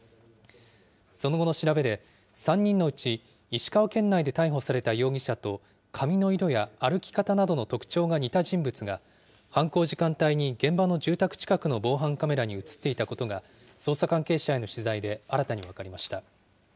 その後の調べで、３人のうち石川県内で逮捕された容疑者と、髪の色や歩き方などの特徴が似た人物が、犯行時間帯に現場の住宅近くの防犯カメラに写っていたことが、捜査関係者への取材で新たに分かりました。